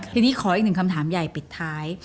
ทีนี้ขออีกหนึ่งคำถามใหญ่ปิดท้าย